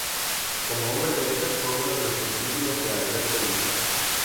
Como hombre de letras fue uno de los discípulos de Alberto Lista.